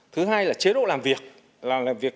thứ hai là chế độ làm việc